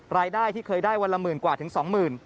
รายได้ที่เคยได้วันละหมื่นกว่าถึง๒๐๐๐บาท